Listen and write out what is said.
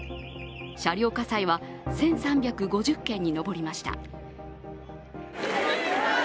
車両火災は１３５０件に上りました。